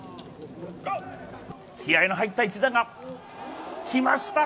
気合いの入った一打が来ました。